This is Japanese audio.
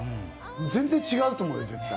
全然違うと思うよ、絶対。